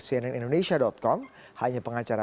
cnn indonesia com hanya pengacara